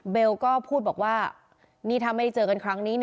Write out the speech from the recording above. เบลก็พูดว่าถ้าไม่ได้เจอกันครั้งนี้